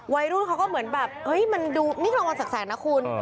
วัยรุ่นเขาก็เหมือนแบบเฮ้ยมันดูนี่กระวังสักแสนนะคุณ